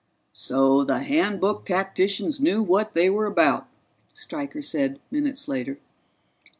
"So the Handbook tacticians knew what they were about," Stryker said minutes later.